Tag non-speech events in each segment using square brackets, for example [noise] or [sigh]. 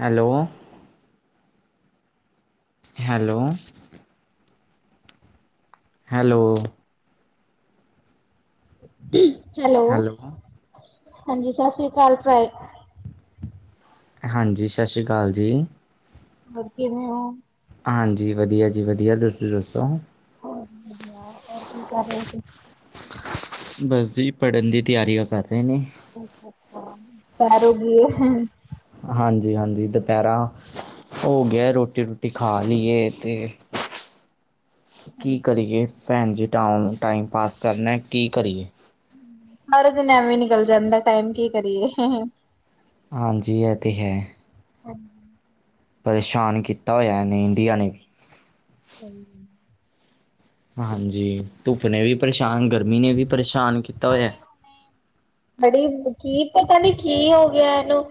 Hello. Hello. Hello. Hello, ਹਾਂਜੀ, ਸਸ ਸ੍ਰੀ ਕਾਲ ਸ ਹਾਂਜੀ, ਸਸ ਸ਼੍ਰੀ ਕਾਲ ਜੀ। ਹੋਰ ਕਿਵੇਂ ਓ? ਹਾਂਜੀ, ਵਧੀਆ ਜੀ ਵਧੀਆ, ਤੁਸੀਂ ਦੱਸੋ? ਸਭ ਵਧੀਆ, ਹੋਰ ਕੀ ਕਰ ਰਹੇ ਸੀ? ਬਸ ਜੀ, ਪੜ੍ਹਨ ਦੀ ਤਿਆਰੀਆਂ ਕਰ ਰਹੇ ਨੇ ਅੱਛਾ-ਅੱਛਾ, ਪੜ ਰਿਹ। ਹਾਂਜੀ-ਹਾਂਜੀ, ਦੁਪਹਿਰਾ ਹੋ ਗਿਆ, ਰੋਟੀ-ਰੂਟੀ ਖਾ ਲਈਏ ਤੇ ਕੀ ਕਰੀਏ ਭੈਣ ਜੀ, ਟਾ-ਟਾਈਮ ਪਾਸ ਕਰਨਾ ਕੀ ਕਰੀਏ। ਸਾਰੇ ਦਿਨ ਐਵੇਂ ਨਿਕਲ ਜਾਂਦਾ ਟਾਈਮ, ਕੀ ਕਰੀਏ। ਹਾਂਜੀ, ਇਹ ਤੇ ਹੈ। ਹਨ। ਪਰੇਸ਼ਾਨ ਕੀਤਾ ਹੋਇਆ, ਇਨੇ ਇੰਡੀਆ ਨੇ ਵੀ ਸਹੀ ਹਾਂਜੀ, ਧੁੱਪ ਨੇ ਵੀ ਪਰੇਸ਼ਾਨ, ਗਰਮੀ ਨੇ ਵੀ ਪਰੇਸ਼ਾਨ ਕੀਤਾ ਹੋਇਆ। ਗੱਲ। ਬੜੀ ਕੀ ਪਤਾ ਨੀ, ਕੀ ਹੋ ਗਿਆ ਇਹਨੂੰ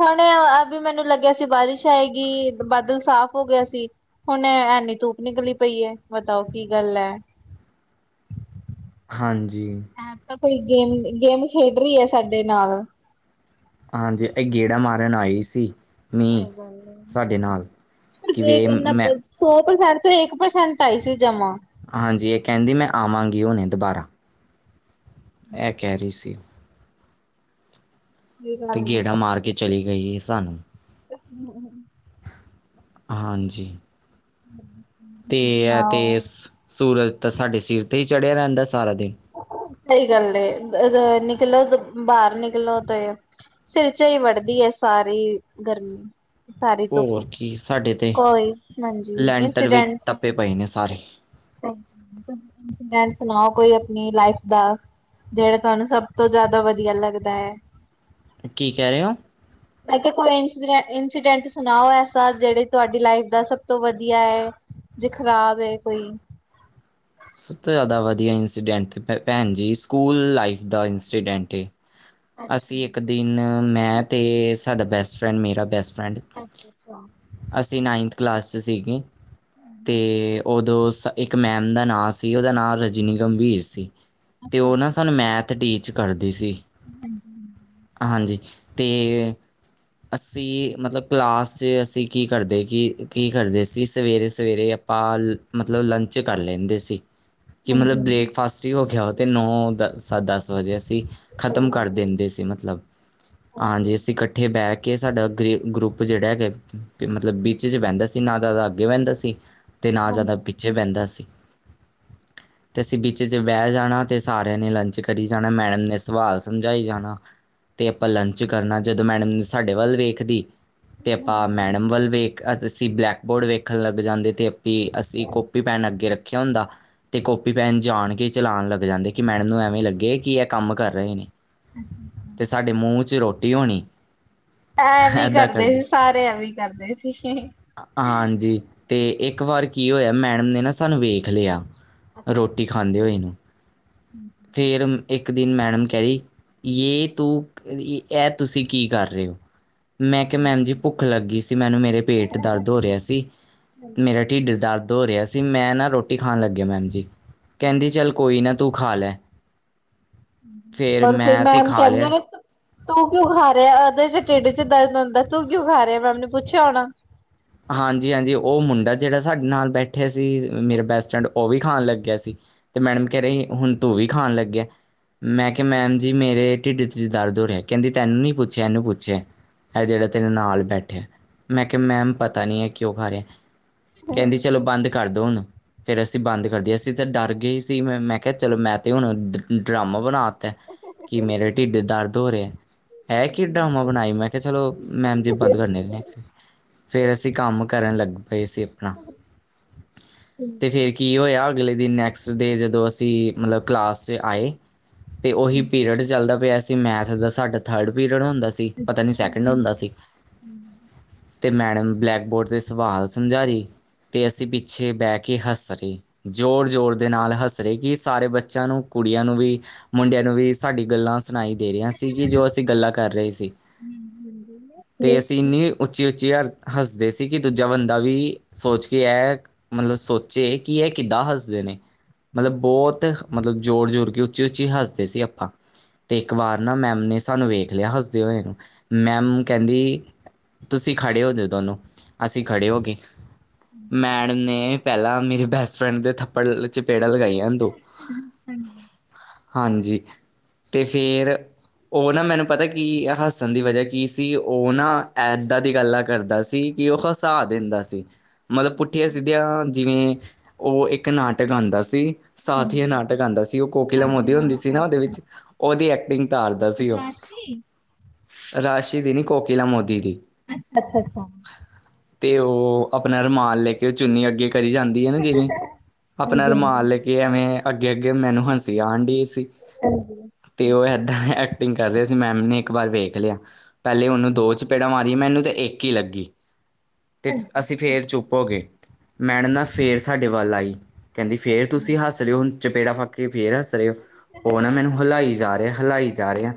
ਹੁਣ ਅਭੀ ਮੈਨੂੰ ਲੱਗਿਆ ਸੀ ਬਾਰਿਸ਼ ਆਏਗੀ, ਬਾਦਲ ਸਾਫ਼ ਹੋ ਗਿਆ ਸੀ। ਹੁਣ ਐਨੀ ਧੁੱਪ ਨਿਕਲੀ ਪਈ ਏ, ਬਤਾਓ ਕੀ ਗੱਲ ਐ? ਹਾਂਜੀ। ਐਹ ਤਾ ਕੋਈ ਗੇਮ- ਗੇਮ ਖੇਡ ਰਹੀ ਏ ਸਾਡੇ ਨਾਲ। ਹਾਂਜੀ, ਇਹ ਗੇੜਾ ਮਾਰਨ ਆਈ ਸੀ। ਮੀਂਹ ਸਹੀ ਗੱਲ ਏ। ਸਾਡੇ ਨਾਲ, ਸਿਰਫ ਕਿਜੇ ਇੱਕ ਮੈਂ ਨੱਬੇ ਸੌ ਪ੍ਰਸੈਂਟ ਤੇ ਇੱਕ ਪ੍ਰਸੈਂਟ ਆਈ ਸੀ ਜਮਾਂ। ਹਾਂਜੀ, ਇਹ ਕਹਿੰਦੀ ਮੈਂ ਆਵਾਂਗੀ ਹੁਣੇ ਦੁਬਾਰਾ। ਐਹ ਕਹਿ ਰਹੀ ਸੀ। ਸਹੀ ਤੇ ਗੱਲ ਗੇੜਾ ਏ। ਮਾਰ ਕੇ ਚਲੀ ਗਈ ਏ ਸਾਨੂੰ। [inaudible] ਹਾਂਜੀ। [inaudible] ਤੇ ਐ ਤੇ ਆਹੋ ਸੂਰਜ ਤਾਂ ਸਾਡੇ ਸਿਰ ਤੇ ਹੀ ਚੜਿਆ ਰਹਿੰਦਾ ਸਾਰਾ ਦਿਨ। ਸਹੀ ਗੱਲ ਏ, ਅ ਅ ਨਿਕਲੋ ਤੇ ਬਾਹਰ ਨਿਕਲੋ ਤੇ ਸਿਰ ਚ ਈ ਵੜਦੀ ਏ ਸਾਰੀ ਗਰਮੀ। ਸਾਰੀ ਧੁੱਪ। ਹੋਰ ਕੀ, ਸਾਡੇ ਤੇ ਕੋਈ ਹਾਂਜੀ ਲੈਂਟਰ ਵੀ ਤਪੇ ਪਏ ਨੇ ਸਾਰੇ। [unintelligible] ਗੱਲ ਸੁਣਾਓ ਕੋਈ ਆਪਣੀ ਲਾਈਫ ਦਾ? ਜਿਹੜਾ ਤੁਹਾਨੂੰ ਸਭ ਤੋਂ ਜ਼ਿਆਦਾ ਵਧੀਆ ਲੱਗਦਾ ਐ। ਕੀ ਕਹਿ ਰਹੇ ਓ? [inaudible] ਮੈ ਕਿਹਾ ਕੋਈ ਇਸ ਇੰਸੀਡੈਂਟ ਸੁਣਾਓ ਐਸਾ ਜਿਹੜੇ ਤੁਹਾਡੀ ਲਾਈਫ ਦਾ ਸਭ ਤੋਂ ਵਧੀਆ ਐ। ਜੇ ਖ਼ਰਾਬ ਏ ਕੋਈ? ਸਭ ਤੋਂ ਜ਼ਿਆਦਾ ਵਧੀਆ ਇੰਸੀਡੈਂਟ ਤੇ ਭੈਣ ਜੀ ਸਕੂਲ ਲਾਈਫ ਦਾ ਇੰਸੀਡੈਂਟ ਏ। ਅੱਛਾ ਅਸੀਂ ਇੱਕ ਦਿਨ ਮੈਂ ਤੇ ਸਾਡਾ ਬੈਸਟ-ਫਰੈਂਡ ਮੇਰਾ ਬੈਸਟ-ਫਰੈਂਡ ਅੱਛਾ-ਅੱਛਾ। ਅਸੀਂ ਨਾਈਨਥ ਕਲਾਸ ਚ ਸੀਗੇ ਤੇ ਉਦੋਂ ਇੱਕ ਮੈਮ ਦਾ ਨਾਂ ਸੀ ਉਹਦਾ ਨਾਂ ਰਜਨੀ ਗੰਭੀਰ ਸੀ, ਅੱਛਾ ਤੇ ਅੱਛਾ ਉਹ ਨਾ ਸਾਨੂੰ ਮੈਥ ਟੀਚ ਕਰਦੀ ਸੀ। ਹਾਂਜੀ ਹਾਂਜੀ। ਹਾਂਜੀ ਤੇ ਅਸੀਂ ਮਤਲਬ ਕਲਾਸ ਚ ਅਸੀਂ ਕੀ ਕਰਦੇ ਕੀ ਕੀ ਕਰਦੇ ਸੀ ਸਵੇਰੇ-ਸਵੇਰੇ ਪਾਲ ਮਤਲਬ ਲੰਚ ਕਰ ਲੈਦੇ ਸੀ ਕਿ ਮਤਲਬ ਹਾਂਜੀ ਹਾਂਜੀ ਬ੍ਰੇਕਫਾਸਟ ਹੀ ਹੋ ਗਿਆ ਆਓ ਤੇ ਨੌ ਦਸ ਦਸ ਵਜੇ ਅਸੀਂ ਸਹੀ ਖ਼ਤਮ ਕਰ ਦਿੰਦੇ ਸੀ ਗੱਲ ਹੈ ਮਤਲਬ ਬਿਲਕੁਲ। ਹਾਂਜੀ, ਅਸੀਂ ਕੱ ਇਕੱਠੇ ਬਹਿ ਕੇ ਸਾਡਾ ਗਰੀ ਗਰੁੱਪ ਜਿਹੜਾ ਹੈਗਾ ਮਤਲਬ ਵਿਚ ਜੇ ਬਹਿੰਦਾ ਸੀ ਨਾ ਜਾਦਾ ਅੱਗੇ ਬਹਿੰਦਾ ਸੀ। ਤੇ ਨਾ ਜ਼ਿਆਦਾ ਹਾਂਜੀ ਪਿੱਛੇ ਬਹਿੰਦਾ ਸੀ। ਤੇ ਅਸੀਂ ਵਿੱਚ ਜੇ ਬਹਿ ਜਾਣਾ ਤੇ ਸਾਰਿਆਂ ਨੇ ਲੰਚ ਕਰੀ ਜਾਣਾ ਮੈਡਮ ਨੇ ਸਵਾਲ ਸਮਝਾਈ ਜਾਣਾ। ਤੇ ਆਪਾਂ ਲੰਚ ਕਰਨਾ, ਜਦੋਂ ਮੈਡਮ ਨੇ ਸਾਡੇ ਵੱਲ ਵੇਖਦੀ ਤੇ ਆਪਾਂ ਹਾਂਜੀ ਮੈਡਮ ਵੱਲ ਵੇਖ ਅਸੀਂ ਬਲੈਕਬੋਰਡ ਵੇਖਣ ਲੱਗ ਜਾਂਦੇ ਤੇ ਆਪੀ ਅਸੀਂ ਕੋਪੀ-ਪੈੱਨ ਅੱਗੇ ਰੱਖਿਆ ਹੁੰਦਾ। ਤੇ ਕੋਪੀ-ਪੈੱਨ ਜਾਣ ਕੇ ਚਲਾਣ ਲੱਗ ਜਾਂਦੇ ਕਿ ਮੈਡਮ ਨੂੰ ਐਵੇਂ ਲੱਗੇ ਕਿ ਇਹ ਕੰਮ ਕਰ ਰਹੇ ਨੇ। ਹਾਂਜੀ ਹਾਂਜੀ ਤੇ ਸਾਡੇ ਮੂੰਹ ਚ ਰੋਟੀ ਹੋਣੀ। ਐਵੀਂ ਕਰਦੇ ਸੀ ਸਾਰੇ ਐਵੀਂ ਕਰਦੇ ਸੀ। ਹਾਂਜੀ ਤੇ ਇੱਕ ਵਾਰ ਕੀ ਹੋਇਆ ਮੈਡਮ ਨੇ ਨਾ ਸਾਨੂੰ ਵੇਖ ਲਿਆ। ਅੱਛਾ ਅੱਛਾ ਰੋਟੀ ਖਾਂਦੇ ਹੋਏ ਨੂੰ ਹਾਂਜੀ ਫਿਰ ਇੱਕ ਦਿਨ ਮੈਡਮ ਕਹਿ ਰਹੀ ਯੇ ਤੂੰ ਐਹ ਤੁਸੀਂ ਕੀ ਕਰ ਰਹੇ ਓ? ਮੈਂ ਕਿਹਾ ਮੈਮ ਹਾਂਜੀ ਜੀ ਭੁੱਖ ਲੱਗੀ ਸੀ ਮੈਨੂੰ ਮੇਰੇ ਪੇਟ ਦਰਦ ਹੋ ਰਿਹਾ ਸੀ ਹਾਂਜੀ ਮੇਰਾ ਢਿੱਡ ਦਰਦ ਦਰਦ ਹੋ ਰਿਹਾ ਸੀ ਮੈਂ ਨਾ ਰੋਟੀ ਖਾਣ ਲੱਗਿਆ ਮੈਮ ਜੀ, ਹਾਂਜੀ ਕਹਿੰਦੀ ਚੱਲ ਕੋਈ ਨਾ ਤੂੰ ਖਾ ਲੈ। ਫੇਰ ਪਰ ਫਿਰ ਮੈਂ ਤੇ ਮੈਮ ਖਾ ਕਹਿੰਦੇ ਆ ਲਿਆ। ਨੇ ਤਾ ਤੂੰ ਕਿਉਂ ਖਾ ਰਿਹਾ ਐਦੇ ਤੇ ਟਿੱਡ ਚ ਦਰਦ ਹੁੰਦਾ, ਤੂੰ ਕਿਉਂ ਖਾ ਰਿਹਾ ਮੈਮ ਨੇ ਪੁੱਛਿਆ ਹੋਣਾ? ਹਾਂਜੀ ਹਾਂਜੀ, ਉਹ ਮੁੰਡਾ ਜਿਹੜਾ ਸਾਡੇ ਨਾਲ ਬੈਠਿਆ ਸੀ ਮੇਰਾ ਬੈਸਟ-ਫਰੈਂਡ ਉਹ ਵੀ ਖਾਣ ਲੱਗਿਆ ਸੀ ਤੇ ਮੈਡਮ ਕਹਿ ਰਹੀ ਹੁਣ ਤੂੰ ਵੀ ਖਾਣ ਲਗਿਆ। ਮੈ ਕਿਹਾ ਮੈਮ ਜੀ ਮੇਰੇ ਢਿਡ ਚ ਦਰਦ ਹੋ ਹੈ ਕਹਿਦੀ ਤਿੰਨੋ ਨਹੀਂ ਪੁੱਛਿਆ ਇਹਨੂੰ ਪੁੱਛਿਆ। ਏ ਜਿਹੜਾ ਤੇਰੇ ਨਾਲ ਬੈਠਿਆ ਮੈ ਕਿਹਾ ਮੈਮ ਪ ਪਤਾ ਨਹੀਂ ਹੈ ਕਿਉਂ ਖਾ ਰਿਹਾ ਕਹਿਦੀ ਚਲੋ ਬੰਦ ਕਰਦੋ ਹੁਣ। ਫਿਰ ਅਸੀਂ ਬੰਦ ਕਰਦੇ ਅਸੀ ਤਾਂ ਡਰ ਗਏ ਸੀ ਮੈ- ਮੈ ਕਿਹਾ ਚਲੋ ਮੈ ਤੇ ਹੁਣ ਡਰਾਮਾ ਬਣਾ ਕਿ ਮੇਰੇ ਢਿੱਡੇ ਦਰਦ ਹੋ ਰਹੇ ਹੈ ਇਹ ਕੀ ਡਰਾਮਾ ਬਣਾਈ ਮੈ ਕਿ ਸਰ ਉਹ ਮੈਮ ਜੀ ਬੰਦ ਕਰਨੇ ਨੇ। ਫਿਰ ਅਸੀਂ ਕੰਮ ਕਰਨ ਲਗ ਪਏ ਸੀ ਆਪਣਾ ਤੇ ਫਿਰ ਕੀ ਹੋਇਆ। ਅਗਲੇ ਦਿਨ ਨੈਕਸਟ ਡੇ ਜਦੋ ਅਸੀਂ ਮਤਲਬ ਕਲਾਸ 'ਚ ਆਏ ਤੇ ਉਹੀ ਪੀਰੀਅਡ ਚੱਲਦਾ ਐਸੀ ਮੈਥ ਦਾ ਸਾਡਾ ਥਰਡ ਪੀਰੀਅਡ ਹੁੰਦਾ ਸੀ ਪਤਾ ਨੀ ਸੈਕਿੰਡ ਹੁੰਦਾ ਸੀ। ਤੇ ਮੈਡਮ ਬਲੈਕਬੋਰਡ ਤੇ ਸਵਾਲ ਸਮਝਾ ਰਏ ਅਤੇ ਅਸੀਂ ਪਿੱਛੇ ਬਹਿ ਕੇ ਹੱਸ ਰਹੇ। ਜ਼ੋਰ- ਜ਼ੋਰ ਦੇ ਨਾਲ ਹੱਸ ਰਹੇ। ਕਿ ਸਾਰੇ ਬੱਚਿਆਂ ਨੂੰ ਕੁੜੀਆਂ ਨੂੰ ਵੀ ਮੁੰਡਿਆਂ ਨੂੰ ਵੀ ਸਾਡੀ ਗੱਲਾਂ ਸੁਣਾਈ। ਦੇ ਰਿਹਾ ਸੀ ਕਿ ਜੋ ਅਸੀਂ ਗੱਲਾਂ ਕਰ ਰਹੇ ਸੀ ਤੇ ਅਸੀਂ ਇਨੀ ਉਚੀ- ਉਚੀ ਹਰ ਹੱਸਦੇ ਸੀ ਕਿ ਦੂਜਾ ਬੰਦਾ ਵੀ ਸੋਚ ਕੇ ਆਇਆ ਮਤਲਬ ਸੋਚੇ ਕਿ ਇਹ ਕਿਦਾਂ ਹੱਸਦੇ ਨੇ। ਮਤਲਬ ਬੋਤ ਮਤਲਬ ਜੋਰ-ਜੋੋਰ ਕੇ ਉਚੀ-ਉਚੀ ਹੱਸਦੇ ਸੀ ਆਪਾ। ਤੇ ਇਕ ਵਾਰ ਨਾ ਮੈਮ ਨੇ ਸਾਨੂੰ ਵੇਖ ਲਿਆ ਹੱਸਦੇ ਹੋਏ, ਮੈਮ ਕਹਿਦੀ। ਤੁਸੀ ਖੜੇ ਹੋ ਜੋ ਦੋਨੋ, ਅਸੀ ਖੜੇ ਹੋ ਗਏ ਮੈਡਮ ਨੇ ਪਹਿਲਾ ਮੇਰੇ ਬੈਸਟ ਫਰੈਡ ਦੇ ਥੱਪੜ ਚਪੇੜਾਂ ਲਗਾਈਆਂ ਦੋ ਹਾਂਜੀ, ਤੇ ਫੇਰ ਉਹ ਨਾ ਮੈਨੂੰ ਪਤਾ ਕੀ ਹੱਸਣ ਦੀ ਵਜ੍ਹਾ ਕੀ ਸੀ ਉਹ ਨਾ ਇਦਾਂ ਦੀ ਗੱਲ ਆ ਕਰਦਾ ਸੀ ਕਿ ਉਹ ਹਸਾ ਦਿੰਦਾ ਸੀ, ਮਤਲਬ ਪੁੱਠੀਆਂ ਸਿੱਧੀਆਂ ਜਿਵੇ ਉਹ ਇਕ ਨਾਟਕ ਆਦਾ ਸੀ। ਸਾਥੀਆਂ ਨਾਟਕ ਆਦਾ ਸੀ ਉਹ ਕੋਕਿਲਾ ਮੋਦੀ ਹੁੰਦੀ ਸੀ ਨਾ ਉਹਦੇ ਵਿੱਚ, ਉਹਦੀ ਐਕਟਿੰਗ ਧਾਰਦਾ ਸੀ ਉਹ, ਰਾਸ਼ੀ ਦੀ ਨੀ ਕੋਕਿਲਾ ਮੋਦੀ ਦੀ। ਅੱਛਾ-ਅੱਛਾ, ਤੇ ਉਹ ਆਪਣਾ ਰੁਮਾਲ ਲੈ ਕੇ ਉਹ ਚੁੰਨੀ ਅੱਗੇ ਕਰੀ ਜਾਦੀ ਐ ਨਾ ਜਿਵੇ ਆਪਣਾ ਰੁਮਾਲ ਲੈ ਕਿ ਐਵੇ ਅੱਗੇ-ਅੱਗੇ ਮੈਨੂੰ ਹਸੀ ਆਣ ਡਈ ਸੀ। ਹਾਂਜੀ, ਤੇ ਉਹ ਏਦਾਂ ਐਕਟਿੰਗ ਕਰ ਰਿਹਾ ਸੀ ਮੈਮ ਨੇ ਇਕ ਵਾਰ ਵੇਖ ਲਿਆ। ਪਹਿਲੇ ਉਹਨੂੰ ਦੋ ਚਪੇੜਾਂ ਮਾਰੀਆਂ ਮੈਨੂੰ ਤਾਂ ਇਕ ਈ ਲਗੀ ਤੇ ਅਸੀ ਫੇਰ ਚੁੱਪ ਹੋਗੇ, ਮੈਣ ਨਾ ਫੇਰ ਸਾਡੇ ਵੱਲ ਆਈ, ਕਹਿਦੀ ਫੇਰ ਤੁਸੀ ਹੱਸ ਰਹੇ ਓ। ਚਪੇੜਾ ਖਾਕੇ ਫੇਰ ਹੱਸ ਰਹੇ ਆ, ਉਹ ਨਾ ਮੈਨੂੰ ਹਿਲਾਈ ਜਾ ਰਿਹਾ ਹਿਲਾਈ ਜਾ ਰਿਹਾ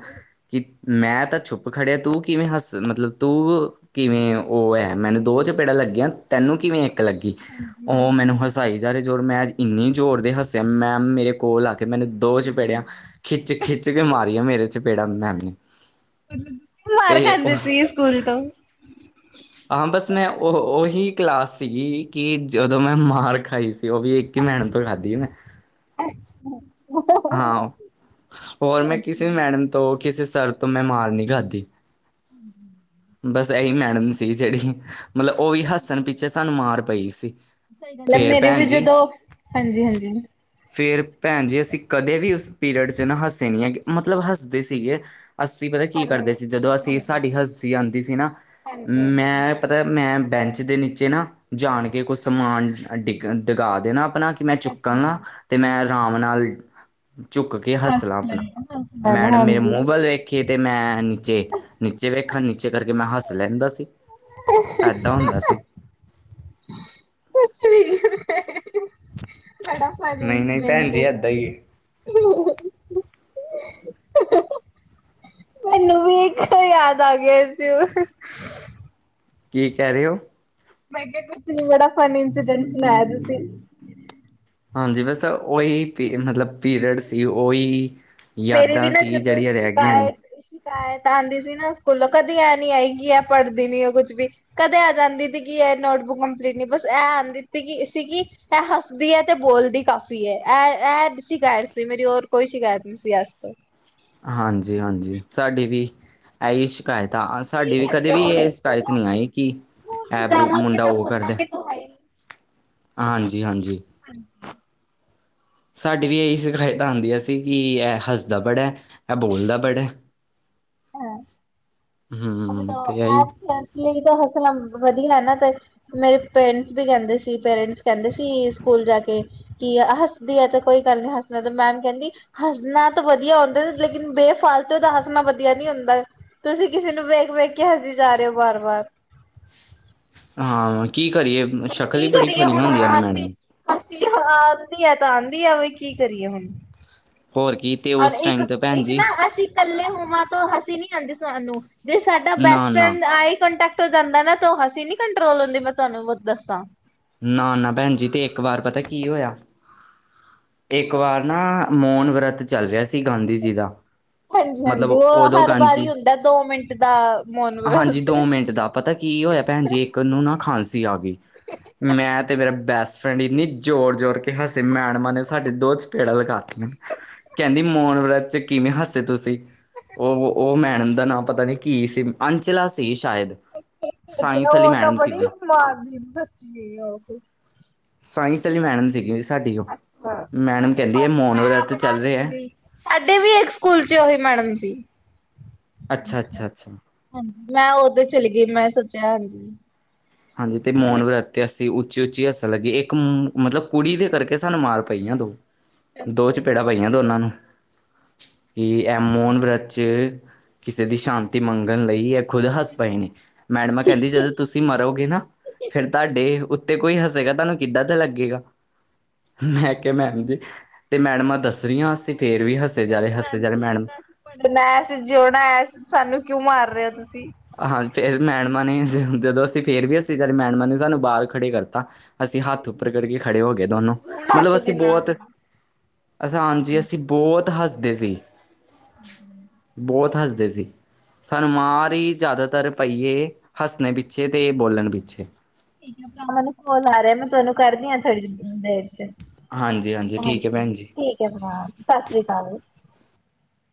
ਕਿ ਮੈਂ ਤਾਂ ਚੁਪ ਖੜਿਆ ਤੂੰ ਕਿਵੇ ਹੱਸ ਮਤਲਬ ਤੂੰ ਕਿਵੇ ਉਹ ਐ ਮੈਨੂੰ ਦੋ ਚਪੇੜਾਂ ਲੱਗੀਆਂ ਤੈਨੂੰ ਕਿਵੇ ਇਕ ਲੱਗੀ, ਉਹ ਮੈਨੂੰ ਹਸਾਈ ਯਾਰੇ ਜੋਰ ਮੈ ਇਨੇ ਜੋਰਦੇ ਹੱਸੇ ਮੈਮ ਮੇਰੇ ਕੋਲ ਆ ਕੇ ਮੈਨੂੰ ਦੋ ਚਪੇੜਿਆਂ ਖਿੱਚ-ਖਿੱਚ ਕੇ ਮਾਰੀਆਂ ਮੇਰੇ ਚਪੇੜਾ ਮੈਮ ਨੇ ਮਾਰ ਤੇ ਖਾਂਦੇ ਉਹ ਸੀ ਸਕੂਲ ਤੋ। ਹਾਂ ਬਸ ਮੈ ਉਹ ਉਹੀ ਕਲਾਸ ਸੀਗੀ ਕਿ ਜਦੋ ਮੈ ਮਾਰਕ ਖਾਈ ਸੀ ਉਹ ਵੀ ਇਕ ਈ ਮੈਡਮ ਤੋ ਖਾਧੀ ਮੈ ਹੂੰ, ਹਾਂ, ਹੋਰ ਮੈ ਕਿਸੇ ਮੈਡਮ ਤੋ ਕਿਸੇ ਸਰ ਤੋ ਮੈ ਮਾਰ ਨੀ ਖਾਧੀ। ਬਸ ਇਹੀ ਮੈਡਮ ਸੀ ਜਿਹੜੀ ਮਤਲਬ ਉਹ ਵੀ ਹੱਸਣ ਪਿੱਛੇ ਸਾਨੂੰ ਮਾਰ ਪਈ ਸੀ। ਸਹੀ ਗੱਲ ਐ, ਫੇਰ ਮੇਰੇ ਵੀ ਭੈਣ ਜੀ ਜਦੋ ਹਾਂਜੀ-ਹਾਂਜੀ ਫੇਰ ਭੈਣ ਜੀ ਅਸੀ ਕਦੇ ਵੀ ਉਸ ਪੀਰਅਡ ਨਾ ਹੱਸੇ ਨਈ ਹੈਗੇ ਮਤਲਬ ਹੱਸਦੇ ਸੀਗੇ। ਅਸੀ ਪਤਾ ਕੀ ਕਰਦੇ ਸੀ ਜਦੋ ਅਸੀ ਸਾਡੀ ਹੱਸੀ ਆਦੀ ਸੀ ਨਾ ਮੈ ਪਤਾ ਮੈ ਬੈਂਚ ਦੇ ਨੀਚੇ ਨਾ ਜਾਣ ਕੇ ਕੁਛ ਸਮਾਨ ਡਿਗ ਡਗਾ ਦੇਣਾ ਆਪਣਾ। ਮੈਂ ਚੁੱਕਾਂ ਨਾ, ਤੇ ਮੈਂ ਅਰਾਮ ਨਾਲ਼। ਚੁੱਕ ਕੇ ਹੱਸਲਾ ਆਪਣਾਂ, ਮੈਡਮ ਮੇਰੇ ਹਾਂਜੀ। ਮੂੰਹ ਵੱਲ਼ ਵੇ ਕੀ ਤੇ ਮੈਂ ਨੀਚੇ, ਨੀਚੇ ਵੇਖਾਂ ਨੀਚੇ ਕਰਕੇ ਮੈਂ ਹੱਸ ਲੈਂਦਾਂ ਸੀਂ। ਐਦਾਂ ਹੁੰਦਾਂ ਸੀਂ। [inaudible] ਨਹੀਂ ਨਹੀਂ ਭੈਣ ਜੀ ਏਦਾਂ ਹੀ ਹੈ। [inaudible] [inaudible] ਮੈਂਨੂੰ ਵੀ ਯਾਦ ਆ ਗਿਆ ਸੀਂ, ਉਹ ਕੀ ਕਹਿ ਰੇ ਔ? ਮੈਂ ਕਿਹਾਂ, ਕੁੱਛ ਨੀਂ ਬੜਾਂ ਫਨੀ ਇੰਸੀਡੈਂਟ ਸੁਣਾਇਆਂ ਤੁਸੀਂ ਹਾਂਜੀ, ਬਸ ਉਹੀ ਪੀ ਮੱਤਲਬ ਪੀਰੀਅਡ ਸੀਂ ਉਈ ਮੇਰੀ ਵੀ ਨਾ, ਜਦੋਂ ਸ਼ਿਕਾਇਤ ਸ਼ਿਕਾਇਤ ਆਂਦੀ ਸੀਂ ਨਾ ਸਕੂਲੋਂ, ਕਦੀਂ ਐਂ ਨੀਂ ਆਈਂ ਐ ਪੜ੍ਹਦੀ ਨੀਂ ਕੁੱਛ ਵੀ। ਕਦੇ ਆ ਜਾਂਦੀ ਸੀਂ, ਕੀ ਐ ਨੋਟਬੁੱਕ ਕੰਮਪਲੀਟ ਨੀਂ ਬਸ ਐ ਆਂਦੀ ਸੀ ਕੀ ਸੀਗੀ। ਐ ਹੱਸਦੀ ਐ ਤੇ ਬੋਲਦੀ ਕਾਫ਼ੀ ਐਂ, ਐ ਐ ਸ਼ਿਕਾਇਤ ਸੀਂ ਮੇਰੀ ਹੋਰ ਕੋਈ ਸ਼ਿਕਾਇਤ ਨੀਂ। ਸੀ ਅਜ ਤਕ। ਹਾਂਜੀ, ਹਾਂਜੀ ਸ਼ਾਡੀ ਵੀ ਐਈ ਸ਼ਿਕੈਤ। ਤਾਂ ਸ਼ਾਡੀ ਵੀ ਕਦੇ ਵੀ ਏ ਸ਼ਿਕਾਇਤ ਨੀਂ ਆਈਂ ਕੀ ਐ ਬੁ ਮੁੰਡਾਂ ਓ ਕਰਦਾ, ਹਾਂਜੀ ਹਾਂਜੀ। ਹਾਂਜੀ। ਸ਼ਾਡੀ ਵੀ ਏਹੀ ਸ਼ਿਕੈਤਾਂ ਆਦੀਆਂ ਸੀਂ, ਕੀ ਐ ਹੱਸਦਾ ਬੜ੍ਹਾ। ਐਂ ਬੋਲਦਾ ਬੜਾ। ਹਾਂ [unintelligible] ਹਮ ਤੇ ਇਹੀ ਮੇਰੇ ਪੇਂਟਸ ਵੀ ਕੈਂਦੇ ਸੀਂ, ਪੇਰੈਂਟਸ ਕੈਂਦੇ ਸੀਂ ਸਕੂਲ ਜਾ ਕੇ। ਕੀ ਆ ਹੱਸਦੀ ਆ ਤੇ, ਕੋਈ ਗੱਲ਼ ਨੀਂ ਹੱਸ ਦਾ ਤੇ ਮੈਮ ਕੈਂਦੀ। ਹੱਸਣਾ ਤੇ ਵਧੀਆਂ ਹੁੰਦਾਂ, ਲੇਕਿਨ ਬੇਫਾਲਤੂ ਦਾ ਹੱਸਣਾਂ ਵਧੀਆਂ ਨੀਂ ਹੁੰਦਾਂ। ਤੁਸੀਂ ਕਿਸ਼ੇ ਦੇ ਨੂੰ ਵੇਖ ਵੇਖ ਕੇ ਹਸੀਂ ਜਾਂ ਰੇ ਓ, ਵਾਰ ਵਾਰ। ਹਾਂ, ਕੀ ਕਰੀਏ ਸ਼ਕਲ ਈ ਬੜੀ ਫਨੀਆ ਹੁੰਦੀਆਂ ਨੇਂ ਮੈਡਮ। ਹੱਸੀ ਆ ਆਂਦੀ ਆ ਤਾਂ ਆਂਦੀ ਆ ਵੀ, ਕੀ ਕਰੀਏ ਹੁਣ। ਹੋਰ ਕੀ ਤੇ ਔਰ ਉਸ ਇੱਕ, ਟਾਈਮ ਤੇ ਭੈਣ ਇੱਕ ਜੀ ਨਾ ਅਸੀਂ ਕੱਲੇ ਹੋਵਾਂ ਤੋਂ ਹਸੀ ਨੀਂ ਆਂਦੀ ਸਾਂਨੂੰ, ਜੇ ਸਾਡਾ ਨਾ ਬੈਸਟ ਨਾ ਫਰੈਂਡ ਆਈ ਕਾਨਟੈਕਟ ਜਾਂਦਾ ਨਾ ਤੋਂ ਹਸੀਂ ਨੀਂ ਕੰਟਰੋਲ ਹੁੰਦੀ, ਮੈਂ ਤੁਹਾਂਨੂੰ ਬ ਦੱਸਾਂ। ਨਾ ਨਾ ਭੈਣਜੀ ਤੇ ਇੱਕ ਵਾਰ ਪਤਾਂ ਕੀ ਓਇਆਂ। ਇੱਕ ਵਾਰ ਨਾ ਮੋਨ ਵਰਤ ਚੱਲ ਰਿਆ ਸੀ, ਗਾਂਧੀ ਜੀ ਦਾ। ਹਾਂਜੀ ਮਤਲਬ ਹਾਂਜੀ ਓ ਉਦੋਂ ਹਰ ਵਾਰੀਂ ਗਾਂਧੀ ਹੁੰਦਾਂ ਦੋ ਮਿੰਟ ਦਾ ਮੋਨ ਹਾਂਜੀ ਵਰਤ। ਦੋ ਮਿੰਟ ਦਾ ਪਤਾ ਕੀ ਹੋਇਆਂ ਭੈਣਜੀ, ਇੱਕ ਨੂੰ ਨਾ ਖਾਂਸੀ ਆ ਗਈ। ਮੈਂ ਤੇ ਮੇਰਾ ਬੈਸਟ ਫਰੈਂਡ, ਇੰਨੀਂ ਜ਼ੋਰ ਜੋੋਰ ਕੇ ਹੱਸੇ ਮੈਡ ਸਾਡੇ ਦੋ ਚਪੇੜਾਂ ਲਗਾਤੀਆਂ, ਕੈਂਦੀ ਮੋਨ ਵਰਤ 'ਚ ਕਿਵੇਂ ਹੱਸੇ ਤੁਸੀਂ। ਓ, ਓ ਮੈਡਮ ਦਾ ਨਾਂ ਪਤਾ ਨੀ ਕੀ ਸੀਂ, ਅੰਚਲਾ ਸੀ ਸ਼ਾਇਦ। ਅੰਚਲਾ ਸਾਇੰਸ ਵਾਲੀ ਓ ਤਾਂ ਮੈਡਮ ਬੜੀ ਸੀਗੀ ਮਾਰਦੀ ਬੱਚੀ ਔਫਿਸ ਸਾਇੰਸ ਅਲੀ ਮੈਡਮ ਸੀ ਗੀ ਸਾਡੀ ਓ, ਮੈਡਮ ਕੈਂਦੀ ਏ ਮੋਨ ਵਰਤ ਚੱਲ ਰਿਆ। ਸਾਡੇ ਵੀ ਇੱਕ ਸਕੂਲ 'ਚ ਓਹੀ ਮੈਡਮ ਸੀ। ਅੱਛਾ, ਅੱਛਾ, ਅੱਛਾ। ਹਾਂਜੀ, ਮੈਂ ਓਧਰ ਚਲ ਗੀ ਮੈਂ ਸੋਚਿਆਂ, ਹਾਂਜੀ। ਹਾਂਜੀ ਤੇ ਮੋਨ ਵਰਤ ਤੇ ਅਸੀਂ ਉੱਚੀ ਉੱਚੀ ਹੱਸਣ ਲੱਗੇਂ, ਇੱਕ ਮੱਤਲਬ ਕੁੜੀ ਦੇ ਕਰਕੇ ਸਾਨੂੰ ਮਾਰ ਪਈ ਓਦੋ। ਦੋ ਚਪੇੜਾਂ ਪਈਆਂ ਦੋਨਾਂ ਨੂੰ। ਕੀ ਐ ਮੋਨ ਵਰਤ‌ 'ਚ ਕਿਸ਼ੇ ਦੀ ਸ਼ਾਂਤੀ ਮੰਗਣ ਲਈ ਐ। ਖੁਦ ਹੱਸ ਪਏ ਨੇ, ਮੈਡਮਾਂ ਕੈੰਦੀ ਜਦੋਂ ਤੁਸੀਂ ਮਰੋਗੇ ਨਾ ਫੇਰ ਤਾਡੇ ਉਤ ਤੇ ਕੋਈ ਹਸੇਗਾ ਤਾਨੂੰ ਕਿੱਦਾਂ ਦਾ ਲੱਗੇਗਾ? ਮੈਂ ਕਿਆ ਮੈਮ ਜੀ ਤੇ ਮੈਡਮਾਂ ਦੱਸ ਰੀਆਂ, ਅਸੀਂ ਫੇਰ ਵੀ ਹੱਸੇ ਜਾ ਰੇ ਹੱਸੇ ਜਾ ਰੇ ਮੈਡਮ ਪੜਣਾ ਐ, ਜਿਉਣਾ ਐ। ਸਾਨੂੰ ਕਿਉਂ ਮਾਰ ਰੇ ਓ ਤੁਸੀਂ। ਹਾਂ ਫੇਰ ਮੈਡਮਾ ਨੇ ਜਦੋਂ ਅਸੀਂ ਫੇਰ ਵੀ ਹਸੇ ਸਾਡੀ ਮੈਡਮਾਂ ਨੇ ਸਾਨੂੰ ਬਾਰ ਖੜੇ ਕਰਤਾ। ਅਸੀਂ ਹੱਥ ਉੱਪਰ ਕਰਕੇ ਖੜੇ ਹੋ ਗੇ ਦੋਨੋ, ਤੁਸੀਂ ਹੁਣ ਮਤਲਬ ਅਸੀਂ ਹੱਸੋਗੇ ਨਾ ਬੋਤ ਠੀਕ ਹਾਂਜੀ, ਅਸੀਂ ਬੋਤ ਹੱਸਦੇ ਸੀ। ਹੂ। ਬਹੁਤ ਹੱਸਦੇ ਸੀ, ਸਾਨੂੰ ਮਾਰ ਈ ਜਾਦਾਤਰ ਪਈਏ ਹਸਣੇ ਪੀਛੇ ਜੇ ਤੇ ਏ ਬੋਲਣ ਪਿੱਛੇ। ਔ ਮੈਨੂੰ ਕੋਲ ਆ ਰਿਆ, ਮੈਂ ਤੁਹਾਨੂੰ ਕਰਦੀ ਆ ਥੋੜ੍ਹੀ ਦੇਰ ਚ ਹਾਂਜੀ ਠੀਕ ਹੈ ਹਾਂਜੀ ਭੈਣ ਜੀ। ਠੀਕ ਐ ਫਿਲਹਾਲ ਸਤਿ ਸ੍ਰੀ ਅਕਾਲ।